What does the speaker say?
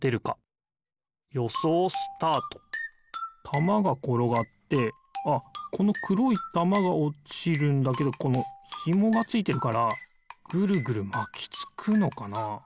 たまがころがってああこのくろいたまがおちるんだけどこのひもがついてるからぐるぐるまきつくのかな。